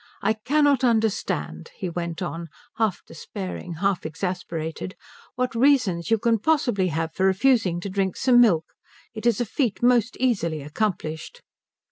I cannot understand," he went on, half despairing, half exasperated, "what reasons you can possibly have for refusing to drink some milk. It is a feat most easily accomplished."